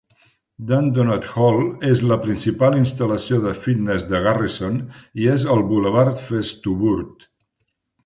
Dundonald Hall és la principal instal·lació de fitness de Garrison i és al bulevard Festuburt.